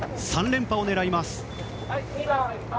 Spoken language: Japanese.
３連覇を狙います。